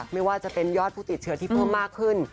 ไม่ว่าจะเป็นยอดผู้ติดเชื้อที่เพิ่มมากขึ้น